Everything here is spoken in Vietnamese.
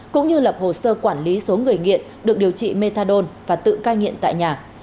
cũng như lập hồ sơ quản lý số người nghiện được điều trị methadone và tự cai nghiện tại nhà